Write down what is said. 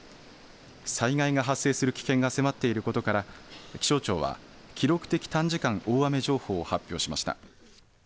災害が発生する危険が迫っていることから気象庁は記録的短時間大雨情報を発表しました。